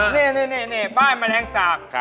นี่บ้านแมลงสาป